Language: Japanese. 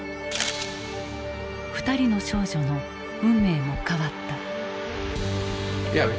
２人の少女の運命も変わった。